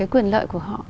quyền lợi của họ